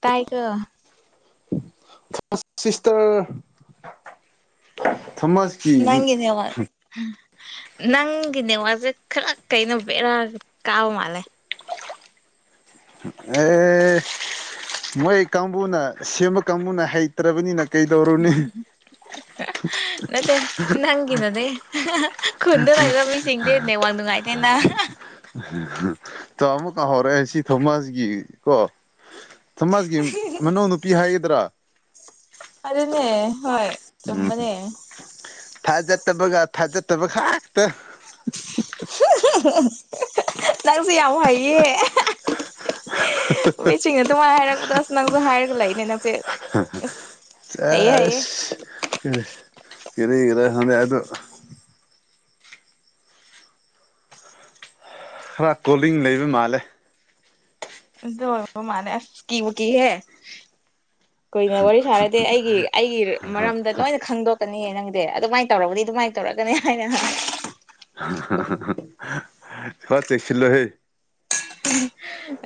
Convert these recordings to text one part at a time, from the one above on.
ꯇꯥꯏꯒ ꯊꯣ sister Thomas ꯅꯪꯒꯅꯦꯋꯥ ꯅꯪꯒꯤ ꯅꯋꯥꯁꯦ ꯈꯔ ꯀꯩꯅꯣ ꯕꯦꯔꯥ ꯀꯥꯕ ꯃꯥꯜꯂꯦ ꯑꯦ ꯃꯣꯏ ꯀꯥꯡꯕꯨꯅ ꯁꯦꯝꯕ ꯀꯥꯡꯕꯨꯅ ꯍꯩꯇ꯭ꯔꯕꯅꯤꯅ ꯀꯩꯗꯧꯔꯨꯅꯤ ꯅꯗꯦ ꯅꯪꯒꯤꯅꯅꯦ ꯈꯨꯟꯗ ꯂꯥꯛꯏꯕ ꯃꯤꯁꯤꯡꯗꯤꯦꯅꯦ ꯋꯥ ꯅꯨꯡꯉꯥꯏꯇꯦꯅ ꯆꯥꯃ ꯀ ꯍꯧꯔꯛꯑꯦ ꯁꯤ ꯊꯣꯃꯥꯁꯒꯤ ꯀꯣ ꯁꯃꯥꯖꯀꯤ ꯃꯅꯥꯎꯅꯨꯄꯤ ꯍꯥꯏꯒꯗ꯭ꯔꯥ ꯑꯗꯨꯗꯅꯦ ꯍꯣꯏ ꯎꯝ ꯆꯨꯝꯕꯅꯦ ꯊꯥꯖꯠꯇꯕꯒ ꯊꯥꯖꯠꯇꯕꯒꯥꯛꯇ ꯅꯪꯁꯨ ꯌꯥꯝ ꯍꯩꯌꯦ ꯃꯤ ꯆꯤꯡꯅ ꯑꯗꯨꯃꯥꯏꯅ ꯍꯥꯏꯔꯛꯄꯗꯣ ꯑꯁ ꯅꯪꯁꯨ ꯍꯥꯏꯔꯒ ꯂꯩꯏꯅꯦ ꯅꯪꯁꯦ ꯑꯁ ꯍꯥꯏꯌꯦ ꯍꯥꯏꯌꯦ ꯑꯁ ꯀꯔꯤ ꯏꯂ ꯁꯗꯦ ꯍꯥꯏꯣ ꯈꯔ ꯀꯣꯂꯤꯡ ꯂꯩꯕ ꯃꯥꯜꯂꯦ ꯗ ꯃꯥꯅꯦꯀꯤꯕꯨꯀꯤ ꯍ [inaudible] ꯀꯨꯏꯅ ꯋꯥꯔꯤ ꯁꯥꯔꯗꯤ ꯑꯩꯒꯤ ꯑꯩꯒꯤ ꯃꯔꯝꯗ ꯂꯣꯏꯅ ꯈꯪꯗꯣꯛꯀꯅꯤ ꯅꯪꯗꯤ ꯑꯗꯨꯃꯥꯏꯅ ꯇꯧꯔꯒꯗꯤ ꯑꯗꯨꯃꯥꯏꯅ ꯇꯧꯔꯛꯀꯅꯤ ꯍꯥꯏꯅ [unintelligible] ꯊ ꯆꯦꯛꯁꯤꯜꯂꯣꯍꯩ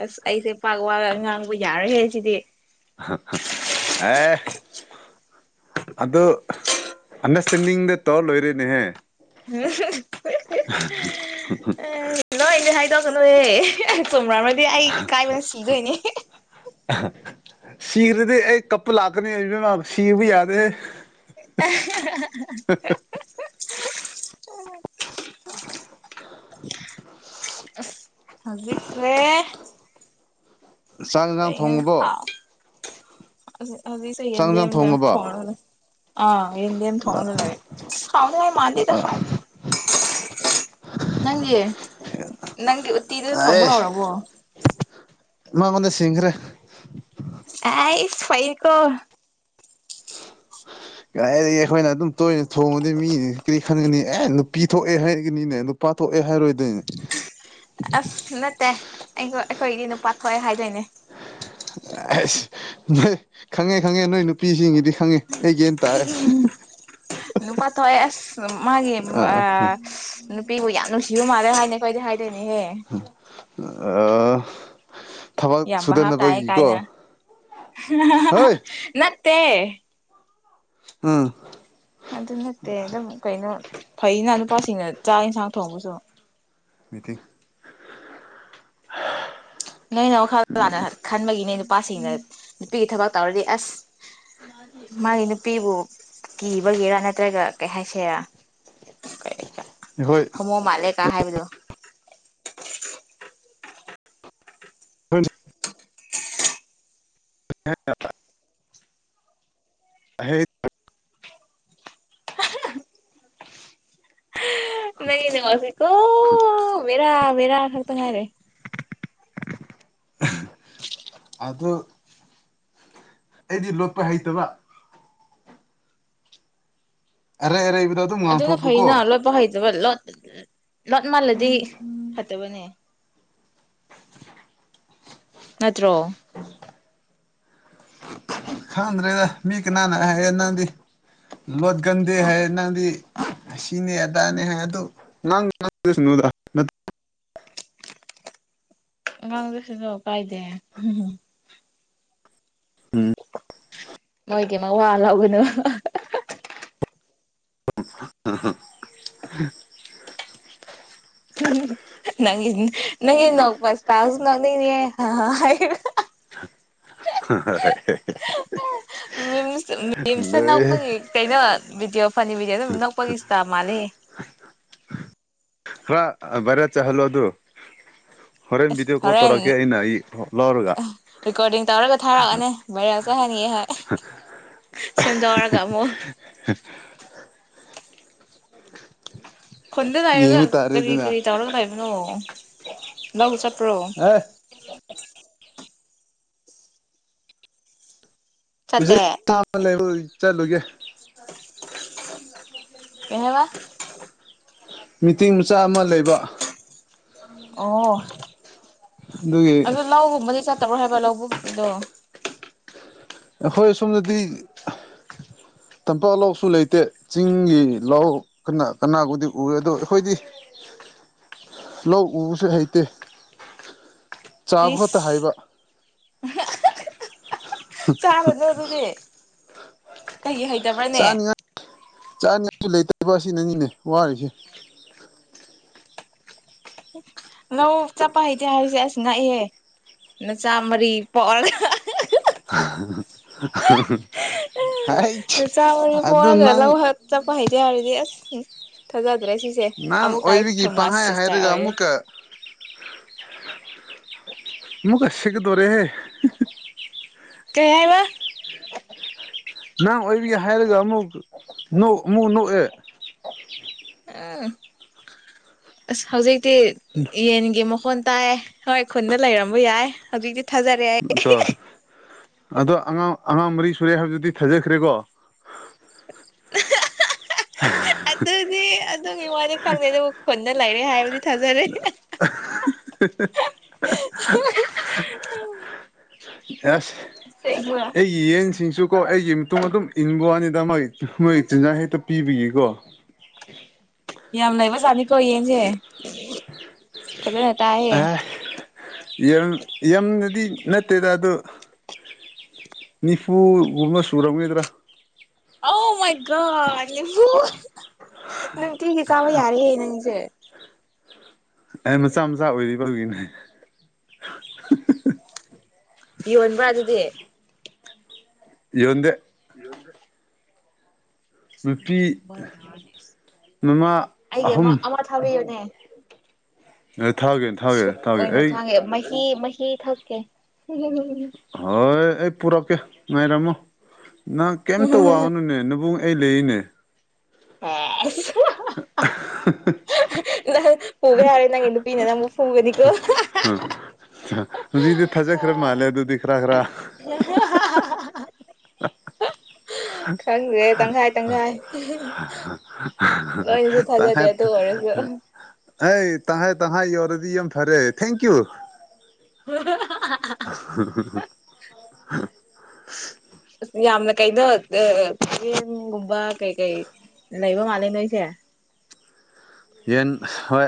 ꯑꯁ ꯑꯩꯁꯦ ꯄꯥꯛ ꯋꯥꯒ ꯉꯥꯡꯕ ꯌꯥꯔꯣꯏꯦ ꯍꯥꯏ ꯁꯤꯗꯤ ꯑꯦ ꯑꯗꯣ ꯑꯟꯗꯔꯁꯇꯦꯟꯗꯤꯡꯗ ꯇꯧꯔ ꯂꯣꯏꯔꯦꯅꯦꯍꯦ ꯎꯝ ꯍ ꯍ ꯑꯦ ꯅꯣꯏꯅꯦ ꯍꯥꯏꯗꯧꯒ ꯅꯣꯏꯑꯦ ꯆꯨꯝꯔꯥꯝꯃꯗꯤ ꯑꯩ ꯏꯀꯥꯏꯕꯅ ꯁꯤꯗꯣꯏꯅꯦ ꯁꯤꯔꯗꯤ ꯑꯩ ꯀꯞꯄ ꯂꯥꯛꯀꯅꯤ ꯁꯤꯔꯕꯨ ꯌꯥꯗꯦ [unintelligible] [unintelligible] ꯍꯧꯖꯤꯛꯁꯦ ꯆꯥꯛ ꯌꯦꯟꯁꯥꯡ ꯀꯅꯦ ꯊꯣꯡꯉꯕꯣ ꯍꯥꯎ ꯑ ꯁꯩ ꯆꯥꯛ ꯏꯟꯖꯥꯡ ꯀꯗꯤꯗ ꯊꯣꯡꯉꯕꯣ ꯐꯅꯅ ꯑ ꯌꯦ ꯊꯣꯡꯉꯂꯔꯦ ꯍꯥꯎꯅ ꯃꯥꯜꯂꯤꯗ ꯅꯪꯒꯤ ꯅꯪꯒꯤ ꯎꯠꯇꯤꯗ ꯊꯣꯡꯕ ꯍꯧꯔꯕꯣ ꯃ ꯃꯗ ꯁꯦꯡꯈ꯭ꯔꯦ ꯑ ꯐꯩꯀꯣ ꯀꯗꯥꯗꯒꯤ ꯑꯩꯈꯣꯏꯅ ꯑꯗꯨꯝ ꯇꯣꯏꯅ ꯊꯣꯡꯕꯗꯤ ꯃꯤꯅꯤ ꯀꯔꯤ ꯈꯟꯒꯅꯤ ꯑꯦ ꯅꯨꯄꯤ ꯊꯣꯛꯑꯦ ꯍꯥꯏꯔꯒꯅꯤꯅꯦ ꯄꯥꯊꯣꯛꯑꯦ ꯍꯥꯏꯔꯣꯏꯗꯣꯏꯅꯦ ꯑꯁ ꯅꯠꯇꯦ ꯑꯩ ꯑꯩꯈꯣꯏꯗꯤ ꯅꯨꯄꯥ ꯊꯣꯛꯑꯦ ꯍꯥꯏꯗꯣꯏꯅꯦ ꯑ ꯅꯣꯏ ꯈꯪꯉꯦ ꯈꯪꯉꯦ ꯅꯣꯏ ꯅꯨꯄꯤꯁꯤꯡꯒꯤꯗꯤ ꯈꯪꯉꯦ ꯑꯩ ꯒꯦꯟ ꯇꯥꯑꯦ ꯅꯨꯄꯥ ꯊꯣꯛ ꯑ ꯑꯁ ꯃꯥꯒꯤ ꯑ ꯅꯨꯄꯤꯕꯨ ꯌꯥꯝ ꯅꯨꯡꯁꯤꯕ ꯃꯥꯜꯂꯦ ꯍꯥꯏꯅꯦ ꯀꯣꯏꯗꯤ ꯍꯥꯏꯗꯣꯏꯅꯦꯍꯦ ꯑ ꯊꯕꯛ ꯌꯥꯝꯝꯕ ꯍꯥ ꯇꯥꯏ ꯁꯨꯗꯅꯕꯒꯤꯀꯣ ꯀꯥꯏꯅ ꯍꯣꯏ ꯅ ꯇ ꯎꯝ ꯑꯗꯨ ꯅꯠꯇꯦ ꯑꯗꯨꯝ ꯀꯩꯅꯣ ꯐꯩꯅ ꯅꯨꯄꯥꯁꯤꯡꯅ ꯆꯥꯛ ꯌꯦꯟꯁꯥꯡ ꯊꯣꯡꯕꯁꯨ ꯃꯤꯗꯤꯤꯡ ꯅꯣꯏꯅ ꯋꯥꯈꯜ ꯇꯥꯅ ꯈꯟꯕꯒꯤꯅꯦ ꯅꯨꯄꯥꯁꯤꯡꯅ ꯅꯨꯄꯤꯒꯤ ꯊꯕꯛ ꯇꯧꯔꯗꯤ ꯑꯁ ꯃꯥꯒꯤ ꯅꯨꯄꯤꯤꯕꯨ ꯀꯤꯕꯒꯤꯦꯔꯥ ꯅꯠꯇ꯭ꯔꯒ ꯀꯩ ꯍꯣꯏ ꯍꯥꯏꯁꯦꯔꯥꯣ ꯃꯥꯜꯂꯦ ꯀꯥ ꯍꯥꯏꯕꯣ ꯍꯣꯏ ꯍꯥ ꯍ ꯅꯅꯦꯅꯨꯡꯉꯁꯤꯀꯣ ꯃꯦꯔ ꯃꯦꯔ ꯈꯔꯛꯇ ꯍꯥꯏꯔꯦ [unintelligible] ꯑ ꯑꯩꯗꯤ ꯂꯣꯠꯄ ꯍꯩꯇꯕ ꯑꯔꯦ ꯑꯔ ꯏꯕꯤꯔꯣ ꯑꯗꯨꯅ ꯐꯩꯅ ꯂꯣꯠꯄ ꯍꯩꯇꯕꯣ ꯂꯣꯠ ꯃꯥꯜꯂꯗꯤ ꯐꯠꯇꯕꯅꯦ ꯅꯠꯇ꯭ꯔꯣ ꯈꯥꯡꯗ꯭ꯔꯦꯗ ꯃꯤ ꯀꯅꯥꯅꯥ ꯍꯥꯏ ꯅꯪꯗꯤ ꯂꯠꯒꯟꯗ ꯍꯥꯏ ꯅꯅꯥꯪꯗꯤ ꯁꯤꯅꯦꯗꯥ ꯅ ꯍꯥꯏ ꯑꯗꯨꯣ ꯉꯪꯅꯗ ꯀꯥꯡꯗꯦꯁꯁꯨꯣ ꯀꯥꯏꯗꯦ ꯅꯣꯏꯒꯤꯃꯛ ꯋꯥ ꯂꯧꯒꯅꯨꯕ ꯍ ꯍ ꯍ ꯅꯪ ꯅꯪꯁ ꯇꯥꯎ ꯅꯅꯤꯅꯤ ꯍꯥꯏ ꯃꯤꯝꯁ ꯃꯤꯝꯁꯇ ꯂꯩꯣꯏ ꯅꯣꯛꯄꯒꯤ ꯀꯩꯅꯣ ꯚꯗꯤꯑꯣ ꯐꯅꯤ ꯚꯤꯗꯤꯑꯣ ꯑꯗꯨꯝ ꯅꯛꯄꯒꯤ ꯏꯁꯇꯥ ꯃꯥꯜꯂꯦ ꯍꯥ꯭ꯔ ꯔꯦꯠ ꯆꯍꯜꯂꯣ ꯑꯗꯨ ꯍꯣꯔꯦꯟ ꯚꯤꯗꯤꯑꯣ ꯀꯣꯜ ꯍꯣꯔꯦꯟ ꯇꯧꯔꯛꯀꯦ ꯑꯩꯅ ꯑꯩ ꯂꯧꯔꯒ ꯔꯦꯀꯣꯔꯗꯤꯡ ꯇꯧꯔꯒ ꯊꯥꯔꯛꯑꯅꯦ ꯚꯔꯦꯜ ꯆ ꯍꯥꯏꯅꯤꯌꯦꯦ ꯁꯦꯝꯗꯧꯔꯒ ꯑꯃꯨꯛ ꯍ ꯈꯨꯣꯟꯗ ꯂꯩꯥꯏꯔꯒ ꯌꯦꯡꯕ ꯇꯥꯔꯦ ꯀꯔꯤ ꯑꯗꯨꯅ ꯀꯔꯤ ꯇꯧꯔꯒ ꯂꯩꯕꯅꯣ ꯂꯧ ꯆꯠꯄ꯭ꯔꯣ ꯍꯥ ꯁꯠꯇꯅꯦ ꯆ ꯂꯩ ꯆꯠꯂꯨꯒꯦ ꯀꯩ ꯍꯥꯏꯕ ꯃꯤꯇꯤꯡ ꯃꯆꯥ ꯑꯃ ꯂꯩꯕ ꯑꯣ ꯑꯗꯨꯒꯤ ꯑꯗꯨꯣ ꯂꯧꯒꯨꯝꯕꯗꯤ ꯆꯠꯇꯕ꯭ꯔꯣ ꯍꯥꯏꯕ ꯂꯧꯕꯨꯗꯣ ꯑꯩꯈꯣꯏ ꯁꯣꯝꯗꯗꯤ ꯇꯝꯄꯥꯛ ꯂꯧꯁꯨ ꯂꯩꯇꯦ ꯆꯤꯡꯒꯤ ꯂꯧ ꯀꯅꯥ ꯀꯅꯥꯒꯕꯨꯗꯤ ꯎꯔꯦ ꯑꯗꯣ ꯑꯩꯈꯣꯏꯗꯤ ꯂꯧ ꯎꯕꯁꯨ ꯍꯩꯇꯦ ꯏꯁ ꯆꯥꯕꯣꯠꯇ ꯍꯥꯏꯕ ꯆꯥꯒꯗ꯭ꯔꯣ ꯑꯗꯨꯅꯦ ꯀꯩ ꯍꯩꯇꯕ꯭ꯔꯅꯦ ꯆꯥꯅꯤꯡꯁꯨ ꯂꯩꯇꯕ ꯑꯁꯤꯅꯅꯤꯅꯦ ꯋꯥꯔꯤꯁꯦ ꯅꯪ ꯆꯞꯄ ꯍꯩꯇꯦ ꯍꯥꯏꯁꯦ ꯑꯁ ꯅ ꯏꯍꯦ ꯅꯆꯥ ꯃꯔꯤ ꯄꯣꯛ [unintelligible] [inaudible] ꯍꯥꯏꯠ ꯃꯤꯁꯥ ꯃꯔꯤ ꯑꯗꯨ ꯄꯔ ꯂ ꯅꯪ ꯍꯠ ꯆꯞꯄ ꯍꯥꯏꯩꯗꯤꯦ ꯍꯥꯏꯔꯗꯤ ꯑꯁ ꯎ ꯊꯥꯖꯗ꯭ꯔꯦ ꯁꯤꯁꯦ ꯅꯪ ꯑꯃꯨꯛꯀ ꯑꯩ ꯑꯣꯏꯕꯤꯒꯤ ꯊꯣꯃꯥꯁ ꯄꯪꯍꯥꯏ ꯁꯤꯁꯇꯔ ꯍꯥꯏꯔꯒ ꯑꯣꯏꯔꯦ ꯑꯃꯨꯛꯀ ꯃꯛ ꯀꯁꯤꯒꯗꯣꯔꯦꯍꯦ ꯀꯕ ꯅꯍꯪ ꯑꯣꯏꯕꯤꯒꯦ ꯍꯥꯏꯔꯒ ꯑꯃꯨꯛ ꯑꯃꯨꯛ ꯅꯣꯛꯑꯦ ꯎ ꯑꯁ ꯍꯧꯖꯤꯛꯇꯤ ꯌꯦꯟꯒꯤ ꯃꯈꯣꯟ ꯇꯥꯏꯌꯦꯦ ꯍꯣꯏ ꯈꯨꯟꯗ ꯂꯩꯔꯝꯕ ꯌꯥꯏ ꯍꯧꯖꯤꯛꯇꯤ ꯊꯥꯖꯔꯦ ꯑꯩ ꯑꯇꯣ ꯑꯗꯣ ꯑꯉꯥꯡ ꯑꯉꯥꯡ ꯃꯔꯤ ꯁꯨꯔꯦ ꯍꯥꯏꯕꯗꯨꯗꯤ ꯊꯥꯖꯈ꯭ꯔꯦꯀꯣ ꯑꯗꯨꯗꯤ ꯑꯗꯨꯒꯤ ꯋꯥꯅꯤ ꯈꯪꯗꯩꯅꯦꯕꯨ ꯍꯨꯟꯗ ꯂꯩꯔꯦ ꯍꯥꯏꯕꯗꯤ ꯊꯥꯖꯔꯦ [inaudible] ꯑꯁ ꯁꯤꯉ ꯑꯩꯒꯤ ꯌꯦꯟꯁꯤꯡꯁꯨ ꯀꯣ ꯑꯩꯒꯤ ꯃꯇꯨꯡꯨꯡ ꯑꯗꯨꯝ ꯏꯟꯕ ꯋꯥꯅꯤꯗ ꯃꯣꯏ ꯃꯣꯏ ꯆꯤꯟꯖꯥꯛ ꯍꯦꯛꯇ ꯄꯤꯕꯒꯤꯀꯣ ꯌꯥꯝ ꯂꯩꯕ ꯆꯥꯠꯅꯤꯀꯣ ꯌꯦꯟꯁꯦ ꯐꯖꯅ ꯇꯥꯏꯌꯦ ꯌꯗꯗꯤ ꯅꯠꯇꯦꯗ ꯑꯗꯣ ꯅꯤꯄꯨ ꯎꯔꯃ ꯁ꯭ꯔꯗ꯭ꯔꯥ ꯑꯧ ꯃꯥꯏꯒ ꯅꯤꯍꯨ ꯅꯨꯡꯇꯤꯒꯤ ꯆꯥꯕ ꯌꯥꯔꯦꯍꯦ ꯅꯪꯁꯦ ꯑꯩ ꯃꯆꯥ ꯃꯆꯥ ꯑꯣꯏꯔꯤꯕ ꯐꯒꯤꯅꯦ ꯌꯣꯟꯕ꯭ꯔꯥ ꯑꯗꯨꯗꯤ ꯌꯣꯟꯗꯦ ꯌꯣꯟꯗ ꯅꯨꯄꯤ ꯃꯃꯥ ꯑꯩꯒꯤ ꯑꯍꯨꯝ ꯑꯃ ꯑꯃ ꯊꯥꯕꯤꯌꯨꯅꯦ ꯊꯥꯒ ꯁꯨꯛ ꯑꯣꯏꯅ ꯊꯥꯡꯉꯦ ꯃꯍꯤ ꯃꯍꯤ ꯊꯛꯀꯦ ꯍꯣꯏ ꯑꯩ ꯄꯨꯔꯛꯀꯦ ꯉꯥꯏꯔꯝꯃꯣ ꯅꯪ ꯀꯩꯝꯇ ꯋꯥꯎꯅꯨꯅꯦ ꯅꯕꯨꯨꯡ ꯑꯩ ꯂꯩꯅꯦ ꯑ [unintelligible] ꯪ ꯄꯨꯕ ꯌꯥꯔꯦ ꯅꯪꯒꯤ ꯅꯨꯄꯤꯅ ꯅꯪ ꯑꯃꯨꯛ ꯐ ꯄꯨꯒꯗꯤꯀꯣ ꯍꯧꯖꯤꯛꯗꯤ ꯊꯥꯖꯈ꯭ꯔꯦ ꯃꯥꯜꯂꯦ ꯑꯗꯨꯗꯤ ꯈꯔ ꯈꯔ ꯍ ꯈꯪꯗ꯭ꯔꯦ ꯇꯪꯈꯥꯏ ꯇꯪꯈꯥꯏ ꯂꯣꯏꯅꯤꯁꯨ ꯈꯥꯖꯗꯦ ꯇꯪꯈꯥꯏ ꯇ ꯑꯣꯏꯔꯁ ꯑꯩ ꯇꯍꯥꯏ ꯇꯍꯥꯏ ꯌꯧꯔꯗꯤ ꯌꯥꯝ ꯐꯔꯦ ꯊꯦꯡ꯭ꯌꯨ [unintelligible] ꯑ ꯌꯥꯝꯅ ꯀꯩꯅꯣ ꯆꯥꯌꯦꯦꯡꯒꯨꯝꯕ ꯀꯩ ꯀꯩ ꯂꯩꯕ ꯃꯥꯜꯂꯦ ꯅꯣꯏꯁꯦ ꯌꯦꯟ ꯍꯣꯏ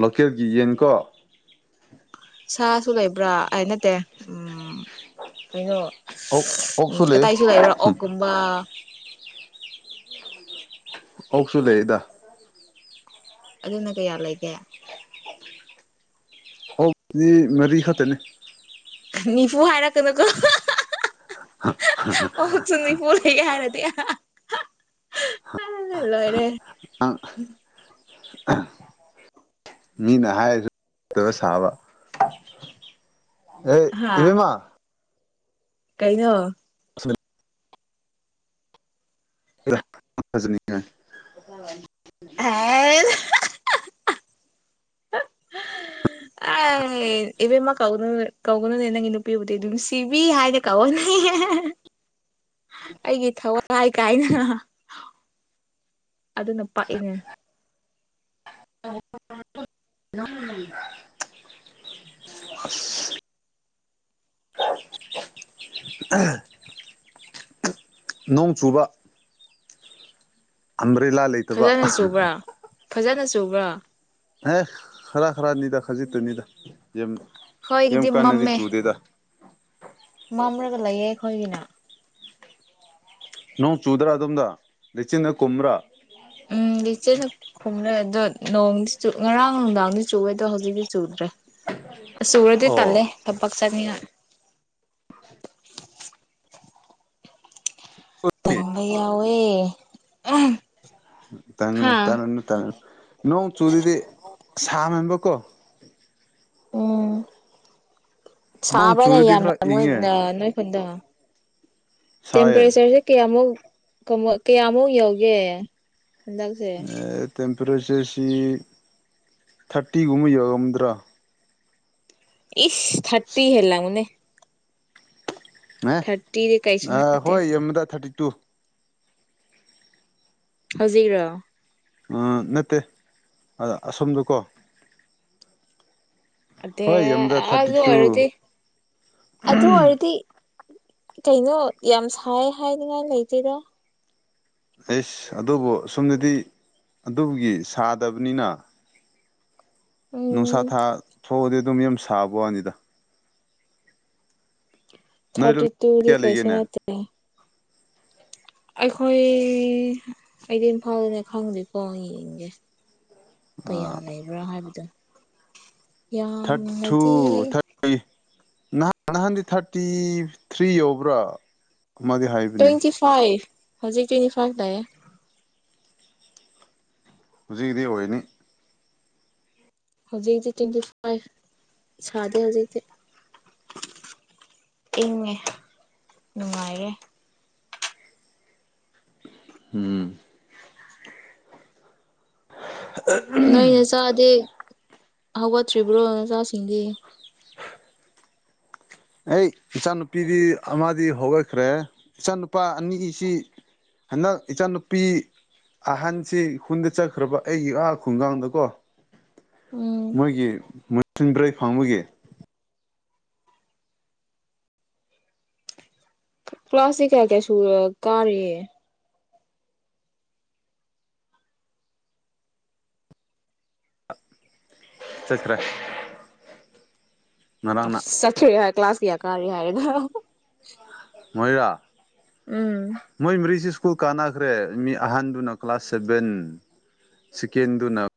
ꯂꯣꯀꯦꯜꯒꯤ ꯌꯦꯟ ꯀꯣ ꯁꯥꯁꯨ ꯂꯩꯕ꯭ꯔꯥ ꯍꯥꯏ ꯅꯠꯇꯦ ꯎꯝ ꯀꯩꯅꯣ ꯑꯣꯛ ꯎꯝ ꯑꯣꯛꯁꯨ ꯂꯩ ꯑꯇꯇꯩꯁꯨ ꯂꯩꯕ꯭ꯔꯥ ꯑꯣꯛꯀꯨꯝꯕ ꯍꯧꯛꯁꯨ ꯂꯩꯗ ꯑꯗꯨꯅ ꯀꯌꯥ ꯂꯩꯒꯦ ꯃꯔꯤ ꯈꯇꯅꯦ ꯅꯤꯐꯨ ꯍꯥꯏꯔꯛꯀꯅꯨꯀꯣ ꯍ ꯍ ꯍ ꯑꯣ ꯆ ꯄꯨ ꯂꯩꯒꯦ ꯍꯥꯏꯔꯦꯗꯤ ꯂꯣꯔꯦ ꯑ ꯃꯤꯅ ꯍꯥꯏꯔꯁꯨ ꯐꯠꯇꯕ ꯁꯥꯕ ꯑꯦ ꯏꯕꯦꯝꯃ ꯀꯩꯅ ꯐꯖꯅꯤ ꯍ ꯍ ꯑ ꯏꯕꯦꯝꯃ ꯀꯧꯗ ꯀꯧꯒꯅꯨꯅꯦ ꯅꯪꯒꯤ ꯅꯨꯄꯤꯕꯨꯗꯤ ꯑꯗꯨꯝ ꯁꯤꯕꯤ ꯍꯥꯏꯅ ꯀꯧꯋꫭꯅꯦ ꯑꯩꯒꯤ ꯊꯋꯥꯏ ꯀꯥꯏꯅ ꯑꯗꯨꯅ ꯄꯥꯛꯏꯅꯦ [inaudible] [inaudible] ꯅꯣꯡ ꯆꯨꯕ ꯑꯝꯝꯕ꯭ꯔꯦꯂ ꯂꯩꯇ ꯐꯖꯅ ꯆꯨꯕ꯭ꯔꯥ ꯐꯖꯅ ꯆꯨꯕ꯭ꯔꯥ ꯑꯦ ꯈꯔ ꯈꯔꯅꯤꯗ ꯈꯥꯖꯤꯠꯇꯨꯅꯤꯗ ꯌꯥꯝ ꯌꯥꯝ ꯑꯩꯈꯣꯏꯒꯤꯗꯤ ꯀꯟꯅꯗꯤ ꯃꯝꯃꯦ ꯆꯨꯗꯦꯗ ꯃꯝꯂꯒ ꯂꯩꯌꯦ ꯑꯩꯈꯣꯏꯒꯤꯅ ꯅꯣꯡ ꯆꯨꯗ꯭ꯔꯥ ꯑꯗꯣꯝꯗ ꯂꯤꯆꯤꯟꯗ ꯀꯨꯝꯕ꯭ꯔꯥ ꯎꯝ ꯂꯩꯩꯖꯤꯟ ꯈꯨꯝꯂꯩ ꯑꯗꯣ ꯅꯣꯡꯗꯤ ꯉꯔꯥꯡ ꯅꯨꯡꯗꯥꯡꯗꯤ ꯆꯨꯕꯦ ꯑꯗꯣ ꯍꯧꯖꯤꯛꯇꯤ ꯆꯨꯗ꯭ꯔꯦ ꯆꯨꯔꯗꯤ ꯇꯂꯦ ꯑꯣ ꯊꯄꯛ ꯆꯅꯤꯡꯉꯥꯏ ꯇꯥꯟꯕ ꯌꯥꯎꯋꯦ ꯇꯪꯒꯅꯨ ꯍꯥꯥ ꯇꯥꯅꯅꯨ ꯇꯥꯔꯨ ꯅꯣꯡ ꯆꯨꯔꯤꯗꯤ ꯁꯥꯃꯕ ꯀꯣ ꯅꯣꯡ ꯁꯥꯕꯅꯦ ꯆꯨꯔꯗꯤ ꯌꯥꯝꯅ ꯈꯔ ꯃꯣꯏ ꯏꯪꯉꯦ ꯅꯣꯏ ꯈꯨꯗ ꯁꯥꯏꯌꯦ ꯇꯦꯝꯄꯔꯦꯆꯔꯁꯦ ꯀꯌꯥꯃꯨꯛ ꯀꯌꯥꯃꯨꯛ ꯌꯧꯒꯦ ꯍꯟꯗꯛꯁꯦ ꯇꯦꯝꯄꯔꯦꯆꯔꯁꯤ ꯊꯥꯔꯇꯤꯒꯨꯝꯕ ꯌꯧꯔꯝꯗ꯭ꯔꯥ ꯏꯁ ꯊꯔꯇꯤ ꯍꯦꯟꯂꯝꯒꯅꯤ ꯑꯦ ꯊꯥꯔꯇꯤꯗꯤ ꯀꯩꯁꯨ ꯑ ꯅꯠꯇꯦ ꯍꯣꯏ ꯌꯗ ꯊꯥꯔꯇꯤ ꯇꯨ ꯍꯧꯖꯤꯛꯔꯣ ꯅꯠꯇꯦ ꯑꯁꯣꯝꯗꯀꯣ ꯑꯗꯦ ꯍꯣꯏ ꯌꯥꯝꯗ ꯑ ꯊꯥꯔꯇꯤ ꯑꯗꯨ ꯇꯨ ꯑꯣꯏꯗꯤ ꯑ ꯑꯗꯨ ꯑꯣꯏꯗꯤ ꯀꯩꯅꯣ ꯌꯥꯝ ꯁꯥꯏ ꯍꯥꯏꯅꯤꯉꯥꯏ ꯂꯩꯇꯦꯔ ꯑꯦꯁ ꯑꯗꯨꯕꯨ ꯁꯣꯝꯗꯗꯤ ꯑꯗꯨꯒꯤ ꯁꯥꯗꯕꯅꯤꯅ ꯅꯨꯡꯁꯥ ꯎꯝ ꯊꯥ ꯊꯣꯛꯑꯗꯤ ꯑꯗꯨꯝ ꯌꯥꯝ ꯁꯥꯕ ꯋꯥꯅꯤꯗ ꯅꯣꯏꯔꯣꯝ ꯊꯔꯇꯤ ꯇꯨꯗꯤ ꯀꯌꯥ ꯂꯩꯒꯦꯅꯦ ꯀꯁꯅꯠꯇ ꯑꯩꯈꯣꯏ ꯑꯩꯗꯤ ꯏꯝꯐꯥꯜꯗꯅꯦ ꯈꯪꯗꯦꯀꯣ ꯌꯦꯡꯒꯦ ꯀꯌꯥ ꯂꯩꯕ꯭ꯔꯥ ꯍꯥꯏꯕꯗꯣ ꯌꯥꯝꯉꯗꯤ ꯑꯩ ꯅꯍꯥꯟ ꯅꯍꯥꯟꯗꯤ ꯊꯥꯔꯇꯤ ꯊ꯭ꯔꯤ ꯌꯧꯕ꯭ꯔꯥ ꯑꯃꯗꯤ ꯍꯥꯏ ꯇꯋꯦꯟꯇꯤ ꯐꯥꯏꯚ ꯍꯧꯖꯤꯛ ꯇ꯭ꯋꯦꯟꯇꯤ ꯐꯥꯏꯚ ꯂꯩꯌꯦ ꯍꯧꯖꯤꯛꯀꯤꯗꯤ ꯑꯣꯏꯅꯤ ꯍꯧꯖꯤꯛ ꯍꯧꯛꯇ ꯇ꯭ꯋꯦꯟꯇꯤ ꯐꯥꯏꯚ ꯁꯥꯗꯦ ꯍꯧꯖꯤꯛꯇ ꯏꯪꯉꯦ ꯅꯨꯡꯉꯥꯏꯔꯦ ꯎꯝ ꯅꯣꯏ ꯅ ꯆꯥꯗꯤ ꯍꯧꯒꯠꯇ꯭ꯔꯤꯕ꯭ꯔꯣ ꯅꯆꯥꯁꯤꯡꯗꯤ [unintelligible] [inaudible] ꯑꯩ ꯏꯆꯥꯅꯨꯄꯤꯗꯤ ꯑꯃꯗꯤ ꯍꯧꯒꯠꯈ꯭ꯔꯦ ꯏꯆꯥꯅꯨꯄꯥ ꯑꯅꯤꯁꯤ ꯍꯟꯗꯛ ꯏꯆꯥꯅꯨꯄꯤ ꯑꯍꯟꯁꯤ ꯈꯨꯟꯗ ꯆꯠꯈ꯭ꯔꯕ ꯑꯩꯒꯤ ꯑꯥ ꯈꯨꯡꯒꯥꯡꯗꯀꯣ ꯎꯝ ꯃꯣꯏꯒꯤ [inaudible] ꯐꯪꯕꯒꯤ ꯀ꯭ꯂꯥꯁꯇꯤ ꯀꯌꯥ ꯀꯌꯥ ꯁ ꯀꯥꯔꯤ ꯆꯠꯀ꯭ꯔ ꯑꯁ ꯆꯠꯠꯇꯦ ꯍꯥꯏꯔꯦ ꯀ꯭ꯂꯥꯁ ꯀꯌꯥ ꯀꯥꯔꯤ ꯍꯥꯏꯔꯥꯒ ꯃꯣꯏꯔꯥ ꯎꯝ ꯃꯣꯏ ꯃꯔꯤꯁ ꯁ꯭ꯀꯨꯜ ꯀꯥꯟꯅꯈ꯭ꯔꯦ ꯃꯤ ꯑꯍꯟꯗꯨꯅ ꯀ꯭ꯂꯥꯁ ꯁꯚꯦꯟ ꯁꯤꯀꯦꯟꯗꯨꯅ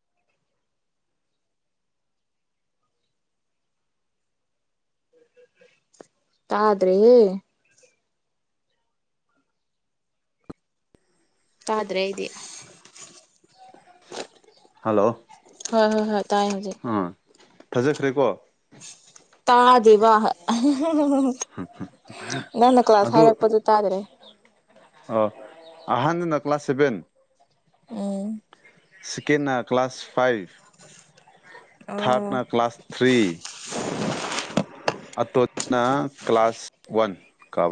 ꯇꯗ꯭ꯔꯦꯍꯦ ꯇꯗ꯭ꯔꯦ ꯑꯩꯗꯔ꯭ꯤ ꯍꯜꯂꯣ ꯍꯣꯏ ꯍꯣꯏ ꯍꯣꯏ ꯇꯥꯏ ꯍꯧꯖꯤꯛ ꯑꯥ ꯐꯖꯈ꯭ꯔꯦꯀꯣ ꯇꯥꯗꯦꯕ [unintelligible] ꯅꯪꯅ ꯀ꯭ꯂꯥꯁ ꯍꯥꯏꯔꯛꯄꯗꯨ ꯇꯥꯗ꯭ꯔꯦ ꯑꯣ ꯑꯍꯥꯟꯗꯨꯅ ꯀ꯭ꯂꯥꯁ ꯁꯚꯦꯟ ꯎꯝ ꯁꯦꯀꯦꯟꯅ ꯀ꯭ꯂꯥꯁ ꯐꯥꯏꯚ ꯑꯣ ꯊꯥꯔꯠꯅ ꯀ꯭ꯂꯥꯁ ꯊ꯭ꯔꯤ ꯑꯇꯣꯟꯅ ꯀ꯭ꯂꯥꯁ ꯋꯥꯟ ꯀꯥꯕ